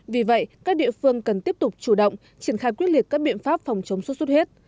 vì vậy các địa phương cần tiếp tục chủ động triển khai quyết liệt các biện pháp phòng chống xuất xuất huyết